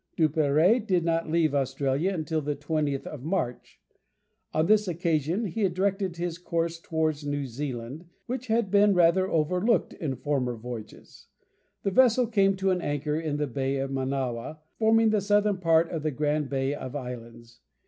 Duperrey did not leave Australia until the 20th of March. On this occasion he directed his course towards New Zealand, which had been rather overlooked in former voyages. The vessel came to an anchor in the Bay of Manawa, forming the southern part of the grand Bay of Islands.